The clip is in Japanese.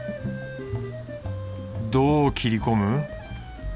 どう切り込む？